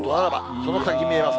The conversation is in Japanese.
その先に見えます